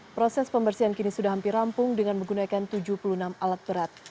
proses pembersihan kini sudah hampir rampung dengan menggunakan tujuh puluh enam alat berat